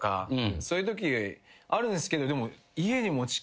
そういうときあるんすけど。